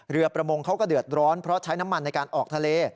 ประมงเขาก็เดือดร้อนเพราะใช้น้ำมันในการออกทะเล